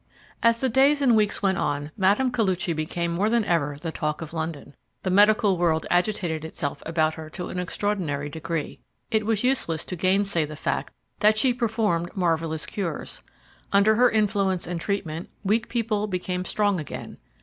AS the days and weeks went on Mme. Koluchy became more than ever the talk of London. The medical world agitated itself about her to an extraordinary degree. It was useless to gainsay the fact that she performed marvellous cures. Under her influence and treatment weak people became strong again.